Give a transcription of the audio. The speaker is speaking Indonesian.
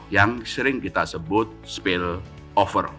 yang sering kita sebut spillover